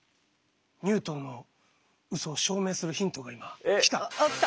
ニュートンのうそを証明するヒントが今来た。来た？